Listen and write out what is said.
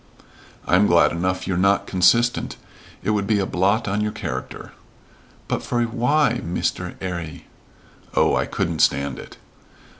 "I'm glad enough you're not consistent. It would be a blot on your character." "But for why, Mr. 'Arry?" "Oh, I couldn't stand it."